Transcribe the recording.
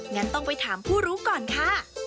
งั้นต้องไปถามผู้รู้ก่อนค่ะ